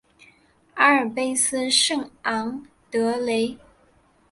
阿尔卑斯圣昂德雷。